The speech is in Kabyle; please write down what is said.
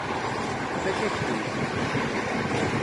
Tfakk-ak-tent.